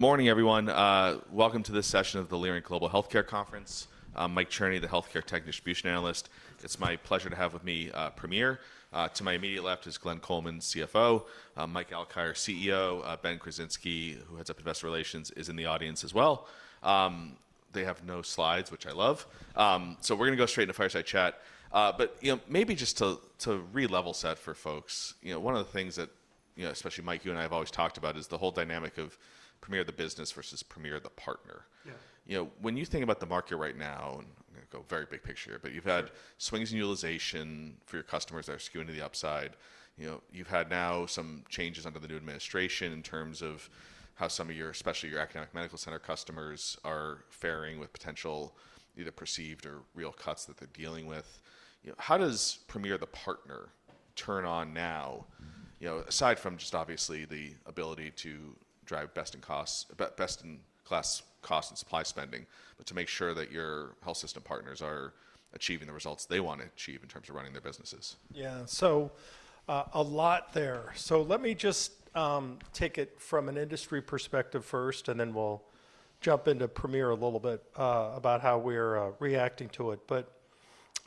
Morning, everyone. Welcome to this session of the Leerink Global Healthcare Conference. I'm Mike Cherny, the healthcare tech distribution analyst. It's my pleasure to have with me Premier. To my immediate left is Glenn Coleman, CFO; Mike Alkire, CEO; Ben Krasinski, who heads up investor relations, is in the audience as well. They have no slides, which I love. We're going to go straight into fireside chat. Maybe just to re-level set for folks, one of the things that especially Mike, you and I have always talked about is the whole dynamic of Premier of the business versus Premier of the partner. When you think about the market right now, and I'm going to go very big picture here, you've had swings in utilization for your customers that are skewing to the upside. You've had now some changes under the new administration in terms of how some of your, especially your academic medical center customers, are faring with potential, either perceived or real cuts that they're dealing with. How does Premier as the partner turn on now, aside from just obviously the ability to drive best-in-class cost and supply spending, but to make sure that your health system partners are achieving the results they want to achieve in terms of running their businesses? Yeah, a lot there. Let me just take it from an industry perspective first, and then we'll jump into Premier a little bit about how we're reacting to it.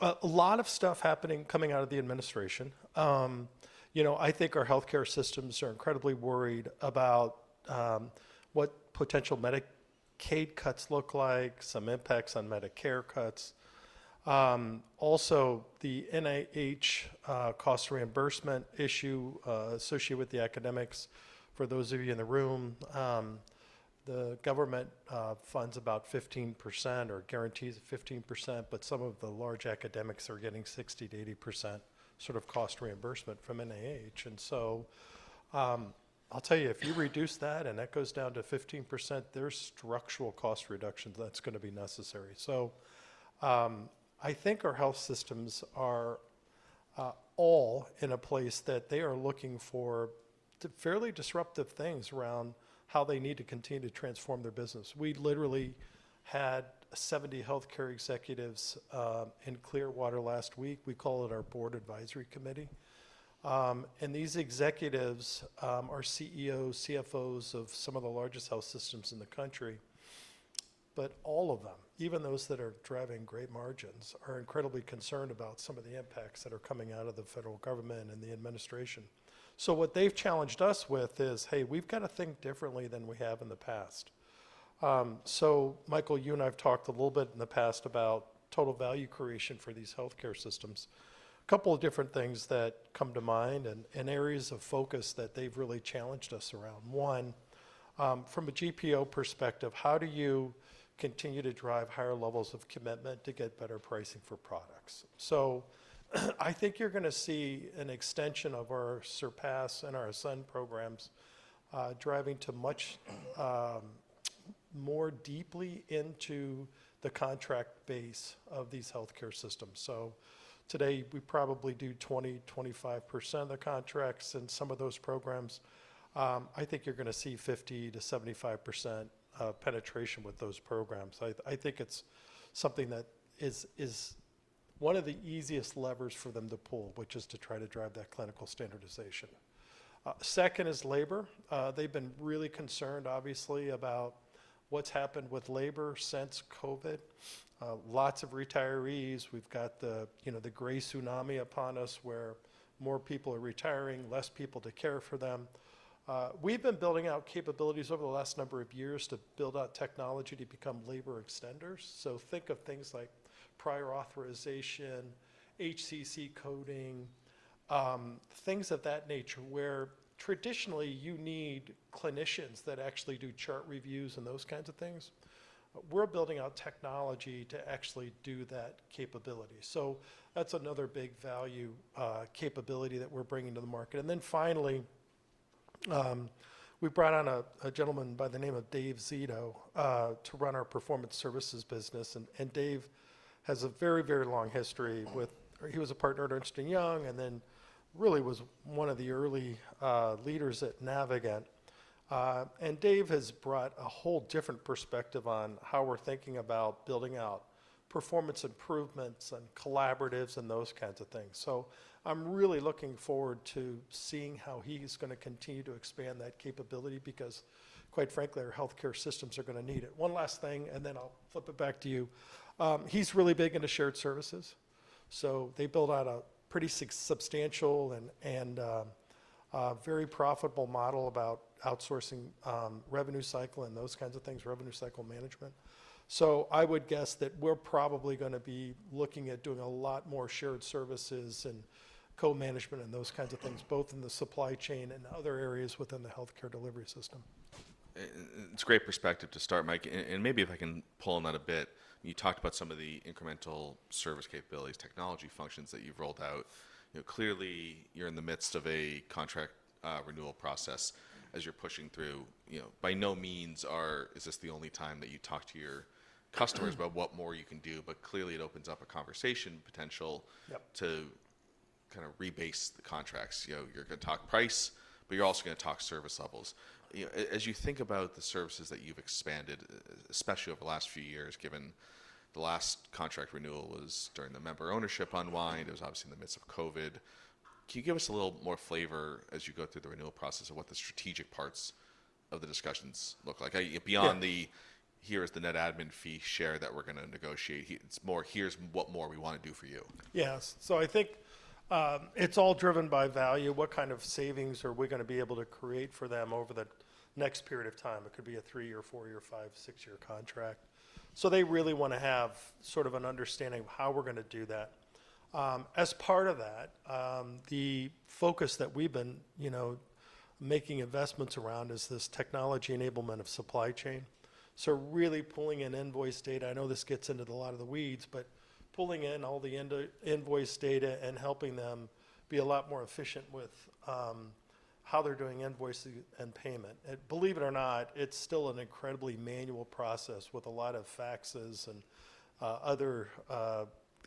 A lot of stuff happening coming out of the administration. I think our healthcare systems are incredibly worried about what potential Medicaid cuts look like, some impacts on Medicare cuts. Also, the NIH cost reimbursement issue associated with the academics, for those of you in the room, the government funds about 15% or guarantees 15%, but some of the large academics are getting 60%-80% sort of cost reimbursement from NIH. I'll tell you, if you reduce that and that goes down to 15%, there's structural cost reductions that's going to be necessary. I think our health systems are all in a place that they are looking for fairly disruptive things around how they need to continue to transform their business. We literally had 70 healthcare executives in Clearwater last week. We call it our board advisory committee. These executives are CEOs, CFOs of some of the largest health systems in the country. All of them, even those that are driving great margins, are incredibly concerned about some of the impacts that are coming out of the federal government and the administration. What they've challenged us with is, hey, we've got to think differently than we have in the past. Michael, you and I have talked a little bit in the past about total value creation for these healthcare systems. A couple of different things that come to mind and areas of focus that they've really challenged us around. One, from a GPO perspective, how do you continue to drive higher levels of commitment to get better pricing for products? I think you're going to see an extension of our Surpass and our Ascend programs driving much more deeply into the contract base of these healthcare systems. Today we probably do 20%-25% of the contracts in some of those programs. I think you're going to see 50%-75% penetration with those programs. I think it's something that is one of the easiest levers for them to pull, which is to try to drive that clinical standardization. Second is labor. They've been really concerned, obviously, about what's happened with labor since COVID. Lots of retirees. We've got the gray tsunami upon us where more people are retiring, less people to care for them. We've been building out capabilities over the last number of years to build out technology to become labor extenders. Think of things like prior authorization, HCC coding, things of that nature where traditionally you need clinicians that actually do chart reviews and those kinds of things. We're building out technology to actually do that capability. That's another big value capability that we're bringing to the market. Finally, we brought on a gentleman by the name of Dave Zito to run our performance services business. Dave has a very, very long history with he was a partner at Ernst & Young and then really was one of the early leaders at Navigant. Dave has brought a whole different perspective on how we're thinking about building out performance improvements and collaboratives and those kinds of things. I am really looking forward to seeing how he's going to continue to expand that capability because, quite frankly, our healthcare systems are going to need it. One last thing, and then I'll flip it back to you. He's really big into shared services. They build out a pretty substantial and very profitable model about outsourcing revenue cycle and those kinds of things, revenue cycle management. I would guess that we're probably going to be looking at doing a lot more shared services and co-management and those kinds of things, both in the supply chain and other areas within the healthcare delivery system. It's a great perspective to start, Mike. Maybe if I can pull on that a bit, you talked about some of the incremental service capabilities, technology functions that you've rolled out. Clearly, you're in the midst of a contract renewal process as you're pushing through. By no means is this the only time that you talk to your customers about what more you can do, but clearly it opens up a conversation potential to kind of rebase the contracts. You're going to talk price, but you're also going to talk service levels. As you think about the services that you've expanded, especially over the last few years, given the last contract renewal was during the member ownership unwind, it was obviously in the midst of COVID. Can you give us a little more flavor as you go through the renewal process of what the strategic parts of the discussions look like? Beyond the, here is the net admin fee share that we're going to negotiate, it's more, here's what more we want to do for you. Yes. I think it's all driven by value. What kind of savings are we going to be able to create for them over the next period of time? It could be a three-year, four-year, five, six-year contract. They really want to have sort of an understanding of how we're going to do that. As part of that, the focus that we've been making investments around is this technology enablement of supply chain. Really pulling in invoice data. I know this gets into a lot of the weeds, but pulling in all the invoice data and helping them be a lot more efficient with how they're doing invoices and payment. Believe it or not, it's still an incredibly manual process with a lot of faxes and other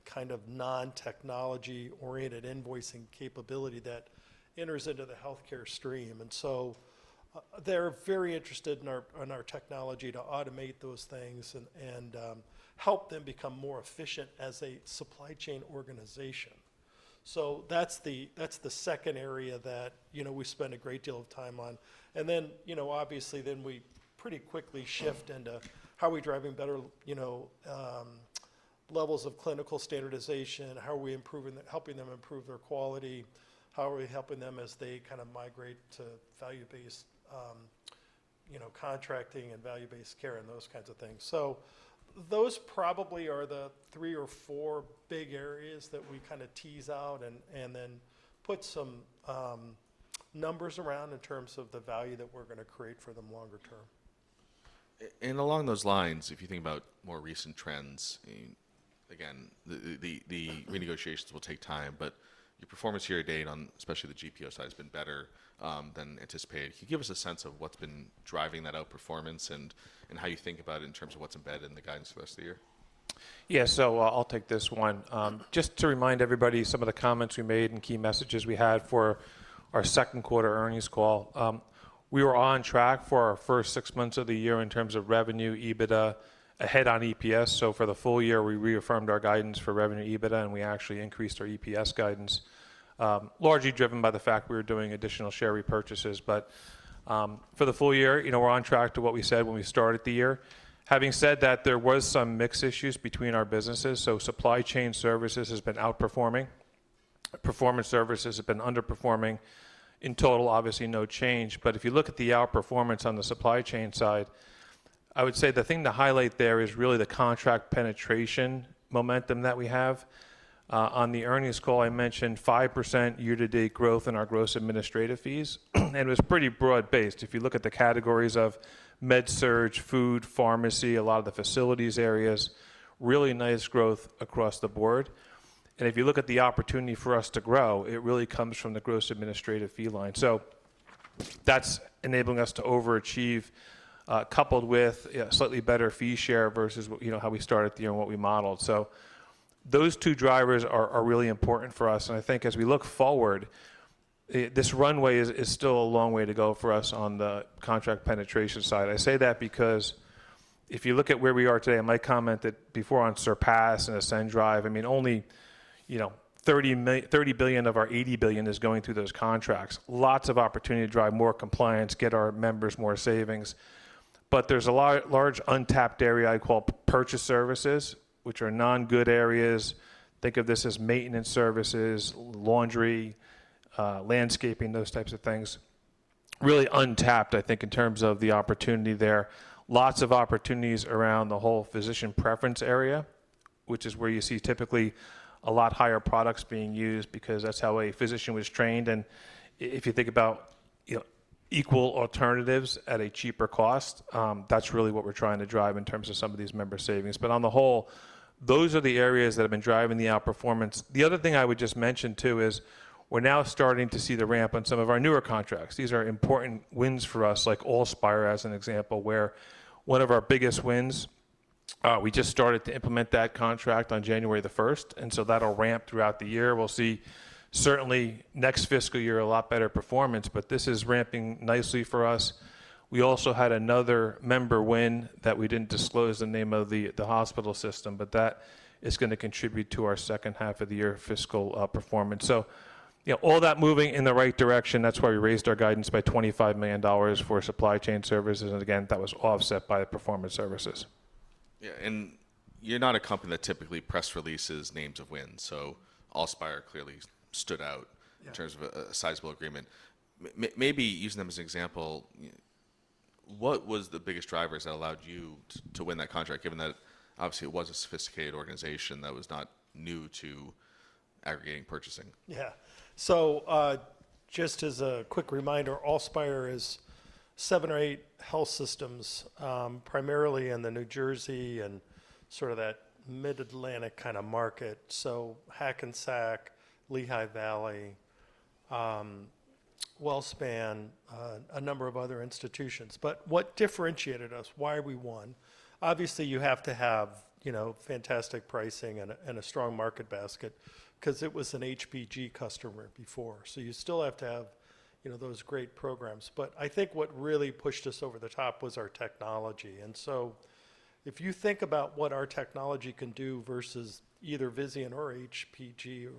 kind of non-technology-oriented invoicing capability that enters into the healthcare stream. They are very interested in our technology to automate those things and help them become more efficient as a supply chain organization. That is the second area that we spend a great deal of time on. Obviously, we pretty quickly shift into how are we driving better levels of clinical standardization, how are we helping them improve their quality, how are we helping them as they kind of migrate to value-based contracting and value-based care and those kinds of things. Those probably are the three or four big areas that we kind of tease out and then put some numbers around in terms of the value that we are going to create for them longer term. Along those lines, if you think about more recent trends, again, the renegotiations will take time, but your performance year to date, especially the GPO side, has been better than anticipated. Can you give us a sense of what's been driving that outperformance and how you think about it in terms of what's embedded in the guidance for the rest of the year? Yeah, so I'll take this one. Just to remind everybody, some of the comments we made and key messages we had for our Q2 Earnings Call, we were on track for our first six months of the year in terms of revenue, EBITDA, ahead on EPS. For the full year, we reaffirmed our guidance for revenue, EBITDA, and we actually increased our EPS guidance, largely driven by the fact we were doing additional share repurchases. For the full year, we're on track to what we said when we started the year. Having said that, there were some mixed issues between our businesses. Supply chain services has been outperforming. Performance services have been underperforming. In total, obviously no change. If you look at the outperformance on the supply chain side, I would say the thing to highlight there is really the contract penetration momentum that we have. On the earnings call, I mentioned 5% year-to-date growth in our gross administrative fees. It was pretty broad-based. If you look at the categories of med-surg, food, pharmacy, a lot of the facilities areas, really nice growth across the board. If you look at the opportunity for us to grow, it really comes from the gross administrative fee line. That is enabling us to overachieve, coupled with slightly better fee share versus how we started the year and what we modeled. Those two drivers are really important for us. I think as we look forward, this runway is still a long way to go for us on the contract penetration side. I say that because if you look at where we are today, I might comment that before on Surpass and Ascend, I mean, only $30 of our 80 billion is going through those contracts. Lots of opportunity to drive more compliance, get our members more savings. There is a large untapped area I call purchase services, which are non-good areas. Think of this as maintenance services, laundry, landscaping, those types of things. Really untapped, I think, in terms of the opportunity there. Lots of opportunities around the whole physician preference area, which is where you see typically a lot higher products being used because that is how a physician was trained. If you think about equal alternatives at a cheaper cost, that is really what we are trying to drive in terms of some of these member savings. On the whole, those are the areas that have been driving the outperformance. The other thing I would just mention too is we're now starting to see the ramp on some of our newer contracts. These are important wins for us, like AllSpire as an example, where one of our biggest wins, we just started to implement that contract on January 1. That will ramp throughout the year. We will see certainly next fiscal year a lot better performance, but this is ramping nicely for us. We also had another member win that we did not disclose the name of the hospital system, but that is going to contribute to our second half of the year fiscal performance. All that is moving in the right direction, which is why we raised our guidance by $25 million for supply chain services. That was offset by the performance services. Yeah. You are not a company that typically press releases names of wins. AllSpire clearly stood out in terms of a sizable agreement. Maybe using them as an example, what was the biggest drivers that allowed you to win that contract, given that obviously it was a sophisticated organization that was not new to aggregating purchasing? Yeah. Just as a quick reminder, AllSpire is seven or eight health systems, primarily in the New Jersey and sort of that mid-Atlantic kind of market. Hackensack, Lehigh Valley, WellSpan, a number of other institutions. What differentiated us, why we won? Obviously, you have to have fantastic pricing and a strong market basket because it was an HPG customer before. You still have to have those great programs. I think what really pushed us over the top was our technology. If you think about what our technology can do versus either Vizient or HPG,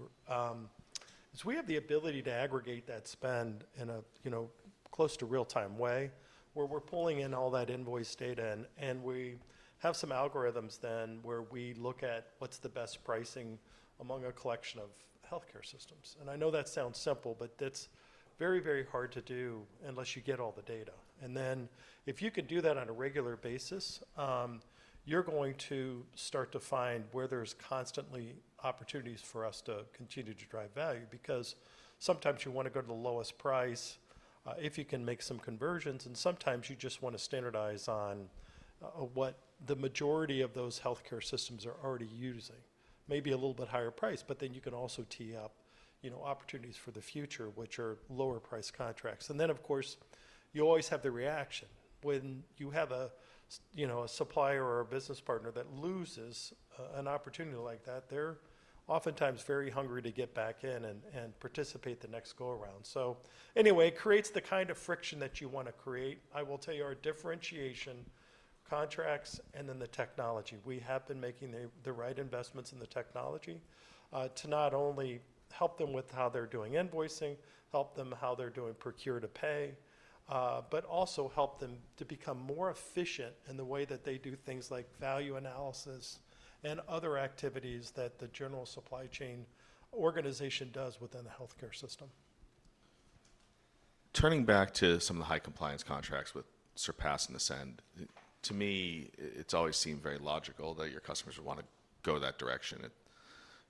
we have the ability to aggregate that spend in a close to real-time way where we're pulling in all that invoice data. We have some algorithms then where we look at what's the best pricing among a collection of healthcare systems. I know that sounds simple, but it's very, very hard to do unless you get all the data. If you can do that on a regular basis, you're going to start to find where there's constantly opportunities for us to continue to drive value because sometimes you want to go to the lowest price if you can make some conversions. Sometimes you just want to standardize on what the majority of those healthcare systems are already using. Maybe a little bit higher price, but then you can also tee up opportunities for the future, which are lower price contracts. Of course, you always have the reaction when you have a supplier or a business partner that loses an opportunity like that, they're oftentimes very hungry to get back in and participate the next go around. Anyway, it creates the kind of friction that you want to create. I will tell you our differentiation contracts and then the technology. We have been making the right investments in the technology to not only help them with how they're doing invoicing, help them how they're doing procure to pay, but also help them to become more efficient in the way that they do things like value analysis and other activities that the general supply chain organization does within the healthcare system. Turning back to some of the high compliance contracts with Surpass and Ascend, to me, it's always seemed very logical that your customers would want to go that direction,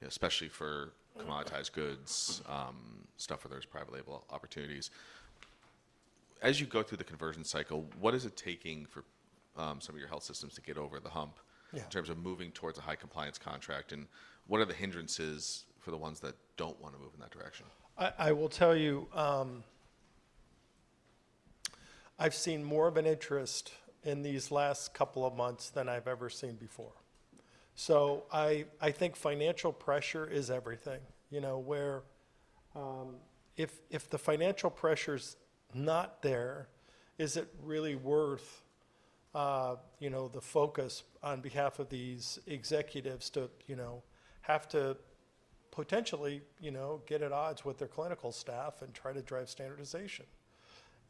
especially for commoditized goods, stuff where there's private label opportunities. As you go through the conversion cycle, what is it taking for some of your health systems to get over the hump in terms of moving towards a high compliance contract? What are the hindrances for the ones that don't want to move in that direction? I will tell you, I've seen more of an interest in these last couple of months than I've ever seen before. I think financial pressure is everything. Where if the financial pressure is not there, is it really worth the focus on behalf of these executives to have to potentially get at odds with their clinical staff and try to drive standardization?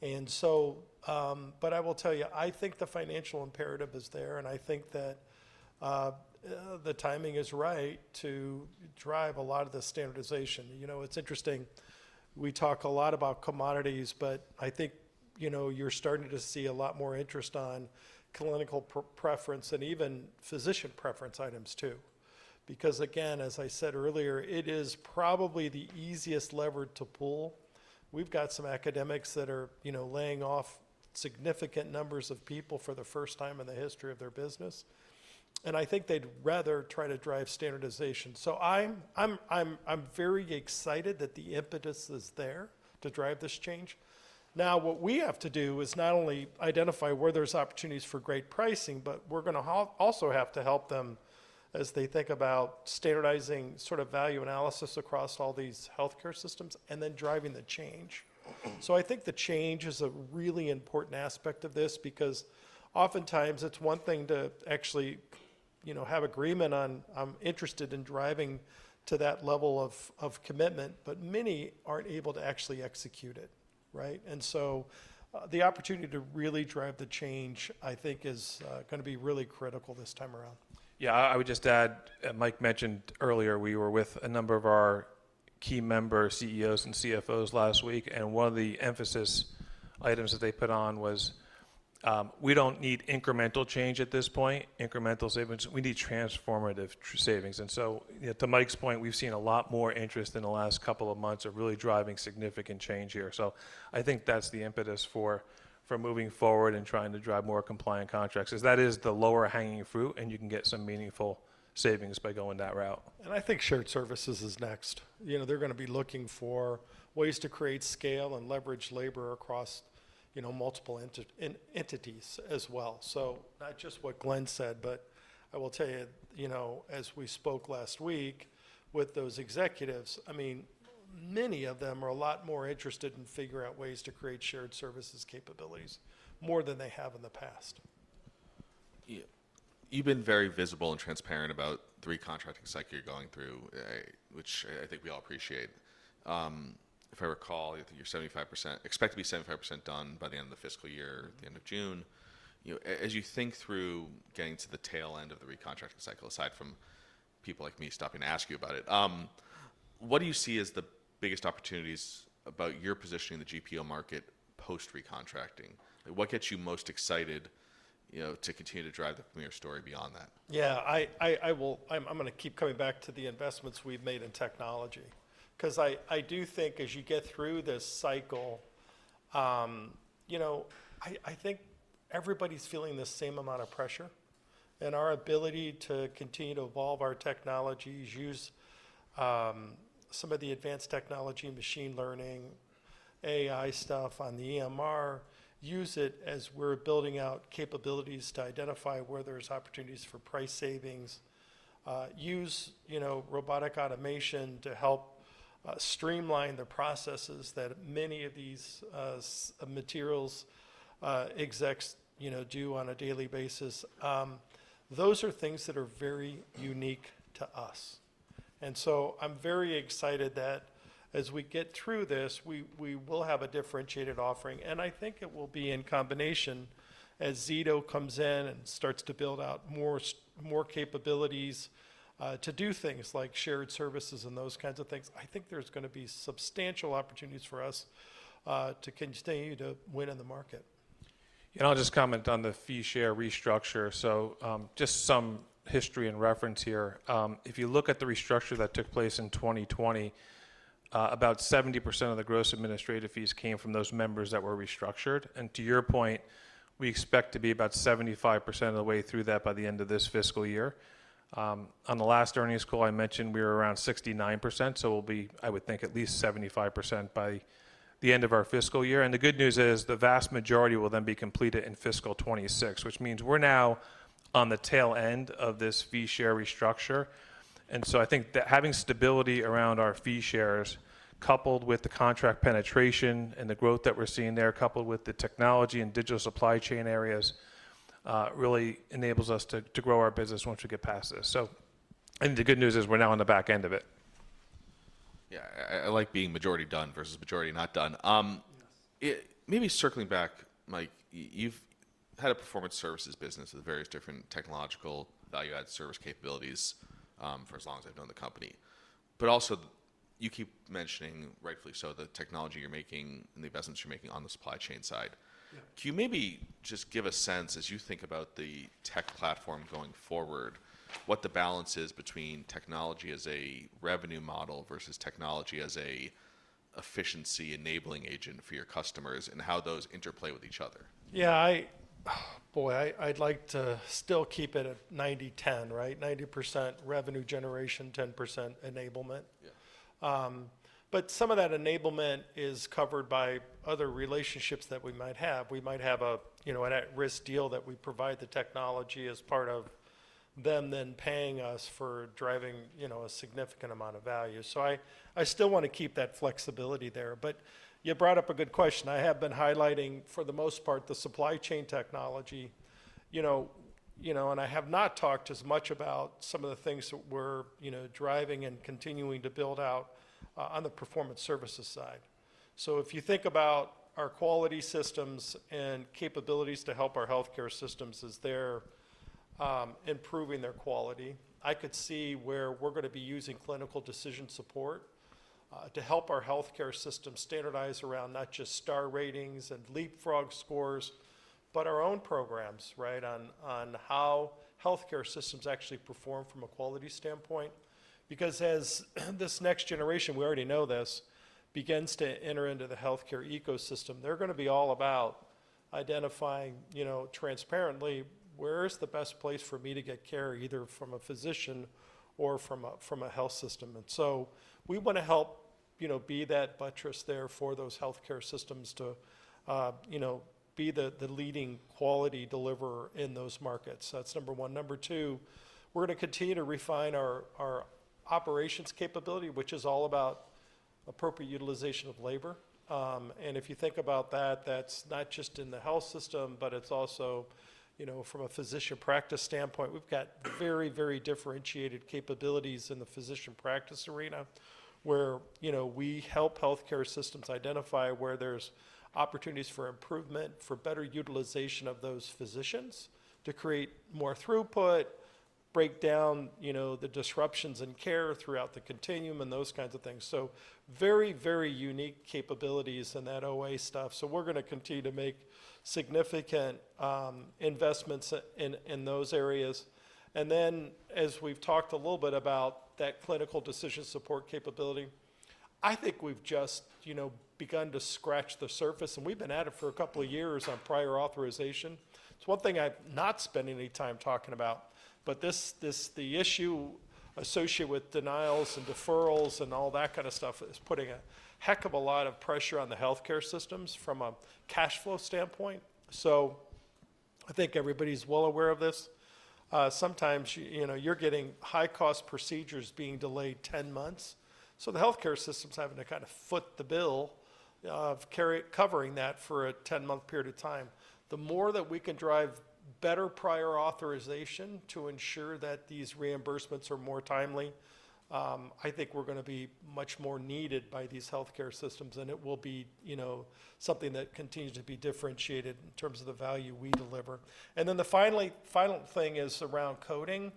I will tell you, I think the financial imperative is there and I think that the timing is right to drive a lot of the standardization. It's interesting, we talk a lot about commodities, but I think you're starting to see a lot more interest on clinical preference and even physician preference items too. Because again, as I said earlier, it is probably the easiest lever to pull. We've got some academics that are laying off significant numbers of people for the first time in the history of their business. I think they'd rather try to drive standardization. I'm very excited that the impetus is there to drive this change. What we have to do is not only identify where there's opportunities for great pricing, but we're going to also have to help them as they think about standardizing sort of value analysis across all these healthcare systems and then driving the change. I think the change is a really important aspect of this because oftentimes it's one thing to actually have agreement on, I'm interested in driving to that level of commitment, but many aren't able to actually execute it. Right? The opportunity to really drive the change, I think, is going to be really critical this time around. Yeah, I would just add, Mike mentioned earlier, we were with a number of our key member CEOs and CFOs last week. One of the emphasis items that they put on was we do not need incremental change at this point, incremental savings. We need transformative savings. To Mike's point, we have seen a lot more interest in the last couple of months of really driving significant change here. I think that is the impetus for moving forward and trying to drive more compliant contracts as that is the lower hanging fruit and you can get some meaningful savings by going that route. I think shared services is next. They're going to be looking for ways to create scale and leverage labor across multiple entities as well. Not just what Glenn said, but I will tell you, as we spoke last week with those executives, I mean, many of them are a lot more interested in figuring out ways to create shared services capabilities more than they have in the past. You've been very visible and transparent about the recontracting cycle you're going through, which I think we all appreciate. If I recall, I think you're expected to be 75% done by the end of the fiscal year, the end of June. As you think through getting to the tail end of the recontracting cycle, aside from people like me stopping to ask you about it, what do you see as the biggest opportunities about your positioning in the GPO market post-recontracting? What gets you most excited to continue to drive the Premier story beyond that? Yeah, I will, I'm going to keep coming back to the investments we've made in technology. Because I do think as you get through this cycle, I think everybody's feeling the same amount of pressure. Our ability to continue to evolve our technologies, use some of the advanced technology, machine learning, AI stuff on the EMR, use it as we're building out capabilities to identify where there's opportunities for price savings. Use robotic automation to help streamline the processes that many of these materials execs do on a daily basis. Those are things that are very unique to us. I am very excited that as we get through this, we will have a differentiated offering. I think it will be in combination as Zito comes in and starts to build out more capabilities to do things like shared services and those kinds of things. I think there's going to be substantial opportunities for us to continue to win in the market. I will just comment on the fee share restructure. Just some history and reference here. If you look at the restructure that took place in 2020, about 70% of the gross administrative fees came from those members that were restructured. To your point, we expect to be about 75% of the way through that by the end of this fiscal year. On the last earnings call, I mentioned we were around 69%. I would think we will be at least 75% by the end of our fiscal year. The good news is the vast majority will then be completed in fiscal 2026, which means we are now on the tail end of this fee share restructure. I think that having stability around our fee shares, coupled with the contract penetration and the growth that we're seeing there, coupled with the technology and digital supply chain areas, really enables us to grow our business once we get past this. I think the good news is we're now on the back end of it. Yeah, I like being majority done versus majority not done. Maybe circling back, Mike, you've had a performance services business with various different technological value-added service capabilities for as long as I've known the company. You keep mentioning, rightfully so, the technology you're making and the investments you're making on the supply chain side. Can you maybe just give a sense as you think about the tech platform going forward, what the balance is between technology as a revenue model versus technology as an efficiency enabling agent for your customers and how those interplay with each other? Yeah, boy, I'd like to still keep it at 90%-10%, right? 90% revenue generation, 10% enablement. Some of that enablement is covered by other relationships that we might have. We might have an at-risk deal that we provide the technology as part of them then paying us for driving a significant amount of value. I still want to keep that flexibility there. You brought up a good question. I have been highlighting for the most part the supply chain technology. I have not talked as much about some of the things that we're driving and continuing to build out on the performance services side. If you think about our quality systems and capabilities to help our healthcare systems as they're improving their quality, I could see where we're going to be using clinical decision support to help our healthcare systems standardize around not just star ratings and leapfrog scores, but our own programs, right, on how healthcare systems actually perform from a quality standpoint. Because as this next generation, we already know this, begins to enter into the healthcare ecosystem, they're going to be all about identifying transparently where is the best place for me to get care either from a physician or from a health system. We want to help be that buttress there for those healthcare systems to be the leading quality deliverer in those markets. That's number one. Number two, we're going to continue to refine our operations capability, which is all about appropriate utilization of labor. If you think about that, that's not just in the health system, but it's also from a physician practice standpoint. We've got very, very differentiated capabilities in the physician practice arena where we help healthcare systems identify where there's opportunities for improvement, for better utilization of those physicians to create more throughput, break down the disruptions in care throughout the continuum and those kinds of things. Very, very unique capabilities in that OA stuff. We're going to continue to make significant investments in those areas. As we've talked a little bit about that clinical decision support capability, I think we've just begun to scratch the surface. We've been at it for a couple of years on prior authorization. It's one thing I've not spent any time talking about, but the issue associated with denials and deferrals and all that kind of stuff is putting a heck of a lot of pressure on the healthcare systems from a cash flow standpoint. I think everybody's well aware of this. Sometimes you're getting high-cost procedures being delayed 10 months. The healthcare systems having to kind of foot the bill of covering that for a 10-month period of time. The more that we can drive better prior authorization to ensure that these reimbursements are more timely, I think we're going to be much more needed by these healthcare systems. It will be something that continues to be differentiated in terms of the value we deliver. The final thing is around coding.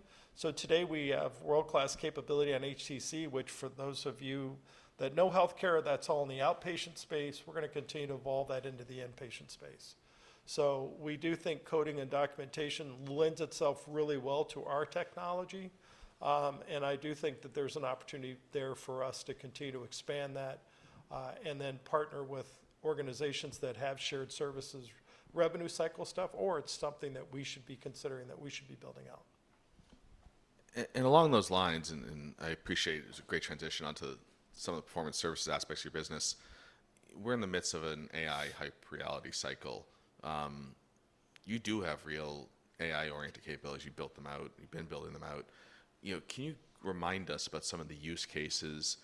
Today we have world-class capability on HCC, which for those of you that know healthcare, that's all in the outpatient space. We're going to continue to evolve that into the inpatient space. We do think coding and documentation blends itself really well to our technology. I do think that there's an opportunity there for us to continue to expand that and then partner with organizations that have shared services revenue cycle stuff, or it's something that we should be considering that we should be building out. Along those lines, I appreciate it was a great transition onto some of the performance services aspects of your business. We're in the midst of an AI hype reality cycle. You do have real AI-oriented capabilities. You built them out. You've been building them out. Can you remind us about some of the use cases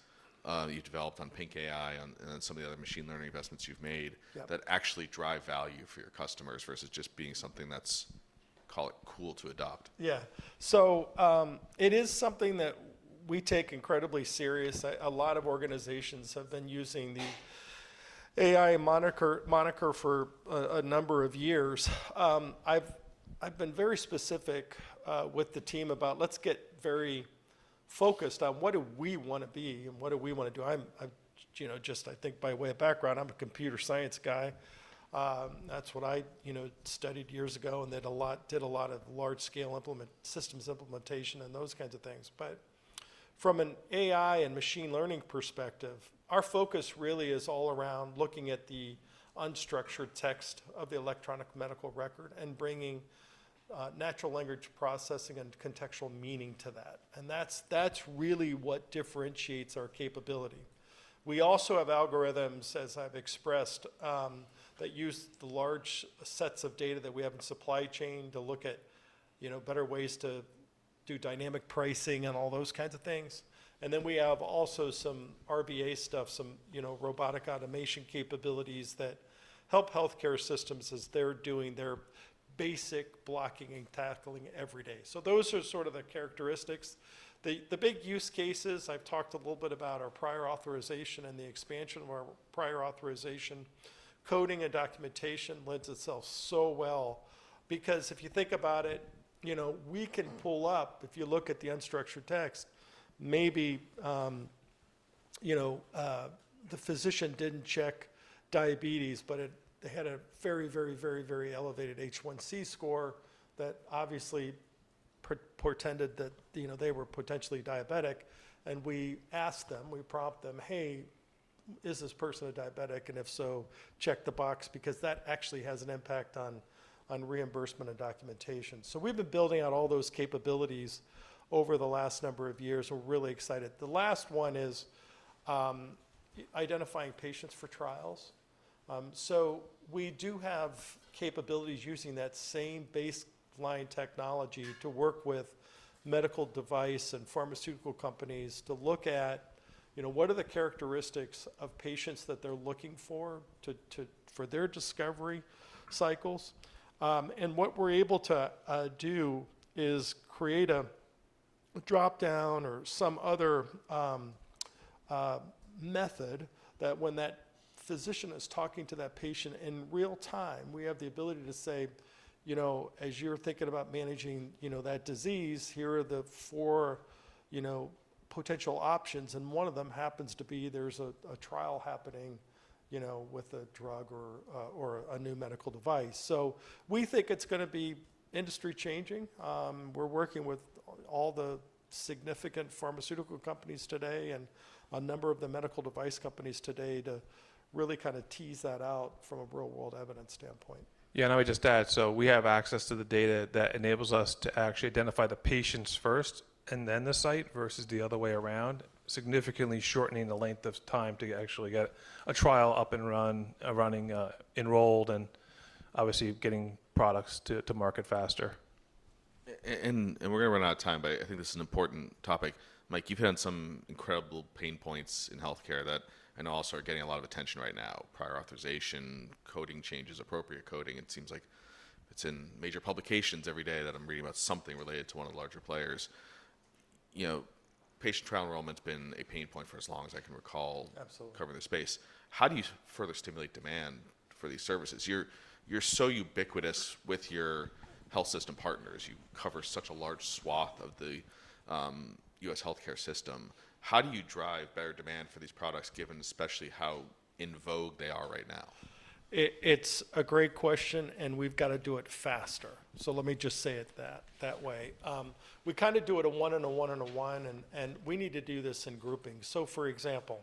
you developed on PINC AI and some of the other machine learning investments you've made that actually drive value for your customers versus just being something that's, call it, cool to adopt? Yeah. It is something that we take incredibly serious. A lot of organizations have been using the AI moniker for a number of years. I've been very specific with the team about let's get very focused on what do we want to be and what do we want to do. Just I think by way of background, I'm a computer science guy. That's what I studied years ago and did a lot of large-scale systems implementation and those kinds of things. From an AI and machine learning perspective, our focus really is all around looking at the unstructured text of the electronic medical record and bringing natural language processing and contextual meaning to that. That's really what differentiates our capability. We also have algorithms, as I've expressed, that use the large sets of data that we have in supply chain to look at better ways to do dynamic pricing and all those kinds of things. We have also some RPA stuff, some robotic automation capabilities that help healthcare systems as they're doing their basic blocking and tackling every day. Those are sort of the characteristics. The big use cases I've talked a little bit about are prior authorization and the expansion of our prior authorization. Coding and documentation blends itself so well because if you think about it, we can pull up, if you look at the unstructured text, maybe the physician didn't check diabetes, but they had a very, very, very, very elevated A1C score that obviously portended that they were potentially diabetic. We asked them, we prompt them, hey, is this person a diabetic? If so, check the box because that actually has an impact on reimbursement and documentation. We have been building out all those capabilities over the last number of years. We are really excited. The last one is identifying patients for trials. We do have capabilities using that same baseline technology to work with medical device and pharmaceutical companies to look at what are the characteristics of patients that they are looking for for their discovery cycles. What we are able to do is create a dropdown or some other method that, when that physician is talking to that patient in real time, we have the ability to say, as you are thinking about managing that disease, here are the four potential options. One of them happens to be there is a trial happening with a drug or a new medical device. We think it is going to be industry changing. We're working with all the significant pharmaceutical companies today and a number of the medical device companies today to really kind of tease that out from a real-world evidence standpoint. Yeah, I would just add, we have access to the data that enables us to actually identify the patients first and then the site versus the other way around, significantly shortening the length of time to actually get a trial up and running, enrolled, and obviously getting products to market faster. We're going to run out of time, but I think this is an important topic. Mike, you've had some incredible pain points in healthcare that I know also are getting a lot of attention right now. Prior authorization, coding changes, appropriate coding. It seems like it's in major publications every day that I'm reading about something related to one of the larger players. Patient trial enrollment has been a pain point for as long as I can recall covering the space. How do you further stimulate demand for these services? You're so ubiquitous with your health system partners. You cover such a large swath of the U.S. healthcare system. How do you drive better demand for these products given especially how in vogue they are right now? It's a great question, and we've got to do it faster. Let me just say it that way. We kind of do it a one and a one and a one, and we need to do this in groupings. For example,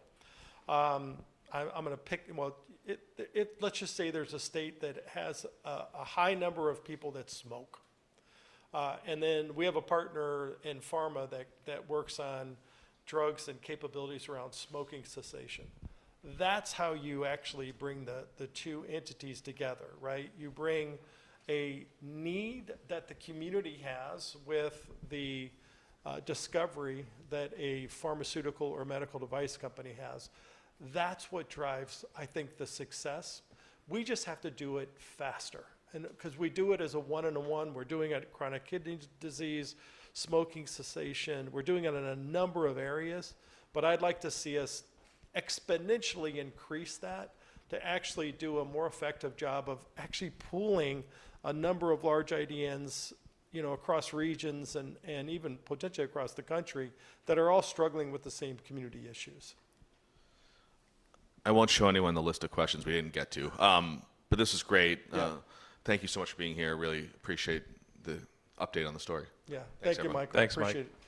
I'm going to pick, let's just say there's a state that has a high number of people that smoke. Then we have a partner in pharma that works on drugs and capabilities around smoking cessation. That's how you actually bring the two entities together, right? You bring a need that the community has with the discovery that a pharmaceutical or medical device company has. That's what drives, I think, the success. We just have to do it faster. Because we do it as a one and a one, we're doing it at chronic kidney disease, smoking cessation. We're doing it in a number of areas, but I'd like to see us exponentially increase that to actually do a more effective job of actually pooling a number of large IDNs across regions and even potentially across the country that are all struggling with the same community issues. I won't show anyone the list of questions we didn't get to, but this is great. Thank you so much for being here. Really appreciate the update on the story. Yeah, thank you, Mike. I appreciate it.